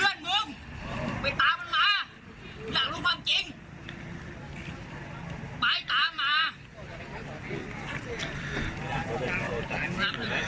เพื่อนมึงไปตามมันมาอยากรู้ความจริง